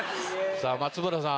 さぁ松村さん